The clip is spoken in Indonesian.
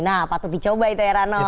nah patut dicoba itu heranov